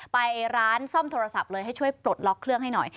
ไปร้านซ่อมโทรศัพท์เลยให้ช่วยปลดล็อกเครื่องให้หน่อย